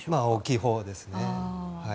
大きいほうですね。